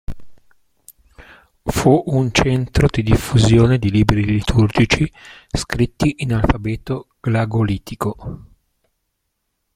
Fu un centro di diffusione di libri liturgici scritti in alfabeto glagolitico.